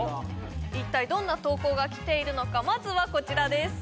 一体どんな投稿が来ているのかまずはこちらです